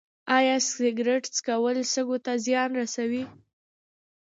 ایا سګرټ څکول سږو ته زیان رسوي